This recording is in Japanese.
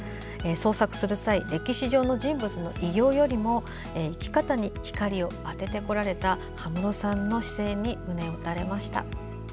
創作する際歴史上の人物の偉業よりも生き方に光を当ててこられた葉室さんの姿勢に胸打たれました。